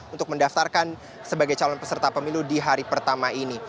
untuk mendaftarkan sebagai calon peserta pemilu di hari pertama ini